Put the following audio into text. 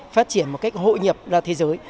phát triển một cách hội nhập ra thế giới